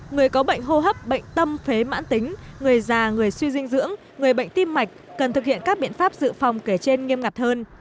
người có bệnh hô hấp bệnh tâm phế mãn tính người già người suy dinh dưỡng người bệnh tim mạch cần thực hiện các biện pháp dự phòng kể trên nghiêm ngặt hơn